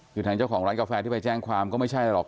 คือทางเจ้าของร้านกาแฟที่ไปแจ้งความก็ไม่ใช่อะไรหรอก